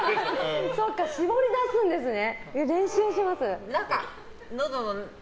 そっか、絞り出すんですね。